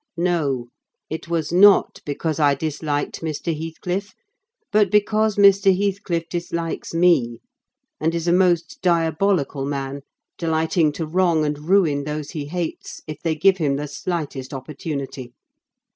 "No, it was not because I disliked Mr. Heathcliff, but because Mr. Heathcliff dislikes me; and is a most diabolical man, delighting to wrong and ruin those he hates, if they give him the slightest opportunity.